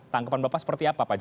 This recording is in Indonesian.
tangkepan bapak seperti apa pak jk